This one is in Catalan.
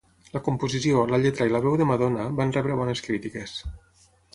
La composició, la lletra i la veu de Madonna van rebre bones crítiques.